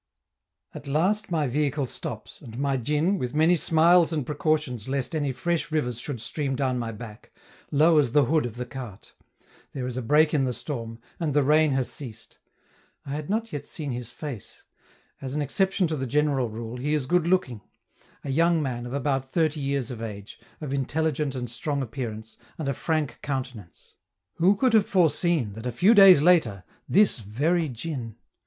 At last my vehicle stops, and my djin, with many smiles and precautions lest any fresh rivers should stream down my back, lowers the hood of the cart; there is a break in the storm, and the rain has ceased. I had not yet seen his face; as an exception to the general rule, he is good looking; a young man of about thirty years of age, of intelligent and strong appearance, and a frank countenance. Who could have foreseen that a few days later this very djin?